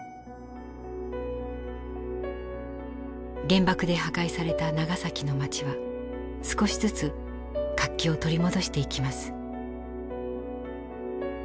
原爆で破壊された長崎の町は少しずつ活気を取り戻していきます。